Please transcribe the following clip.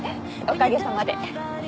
おかげさまで。